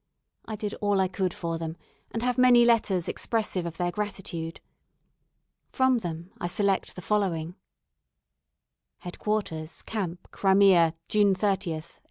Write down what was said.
I did all I could for them, and have many letters expressive of their gratitude. From them I select the following: "Head Quarters, Camp, Crimea, June 30, 1856.